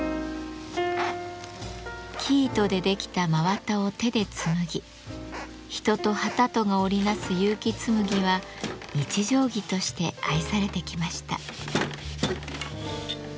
生糸で出来た真綿を手で紡ぎ人と機とが織り成す結城紬は日常着として愛されてきました。